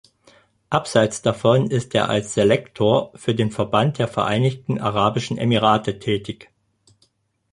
Abseits davon ist er als Selektor für den Verband der Vereinigten Arabischen Emirate tätig.